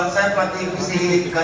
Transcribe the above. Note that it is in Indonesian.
saya pak t p s i